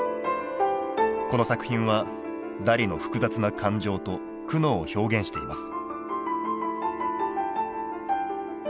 この作品はダリの複雑な感情と苦悩を表現しています。